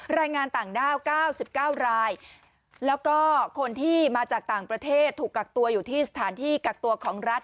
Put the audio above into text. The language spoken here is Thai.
แรงงานต่างด้าว๙๙รายแล้วก็คนที่มาจากต่างประเทศถูกกักตัวอยู่ที่สถานที่กักตัวของรัฐ